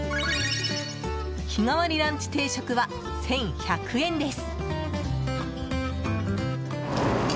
日替わりランチ定食は１１００円です。